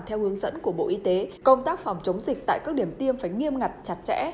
theo hướng dẫn của bộ y tế công tác phòng chống dịch tại các điểm tiêm phải nghiêm ngặt chặt chẽ